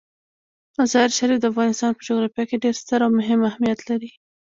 مزارشریف د افغانستان په جغرافیه کې ډیر ستر او مهم اهمیت لري.